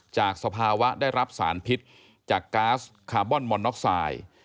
สภาวะได้รับสารพิษจากก๊าซคาร์บอนมอนน็อกไซด์